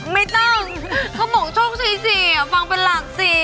ไม่ต้องว่าเชิงว่าช่วยสิฟะฟังมาลั่งสิ